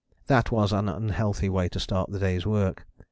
That was an unhealthy way to start the day's work.